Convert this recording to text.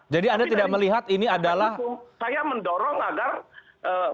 jadi ada kasih ini than dientsum bizarre